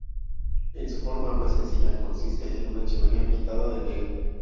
En su forma más sencilla, consiste en una chimenea pintada de negro.